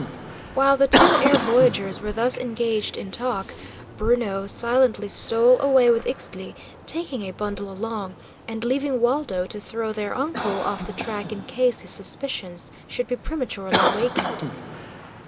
While the two air voyagers were thus engaged in talk, Bruno silently stole away with Ixtli, taking a bundle along, and leaving Waldo to throw their uncle off the track in case his suspicions should be prematurely awakened.